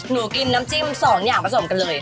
หนูกินน้ำจิ้ม๒อย่างผสมกันเลย